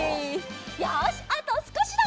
よしあとすこしだ！